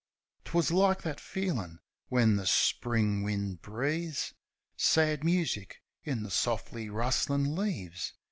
'Twas like that feelin' when the Spring wind breaves Sad music in the sof'ly rustlin' leaves.